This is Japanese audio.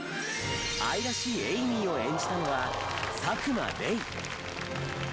愛らしいエイミーを演じたのは佐久間レイ。